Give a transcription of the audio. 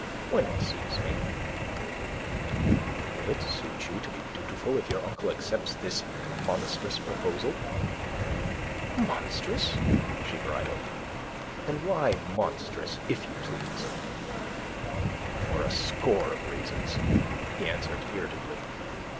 when it suits me." "And will it suit you to be dutiful if your uncle accepts this monstrous proposal?" "Monstrous!" She bridled. "And why monstrous, if you please?" "For a score of reasons," he answered irritably.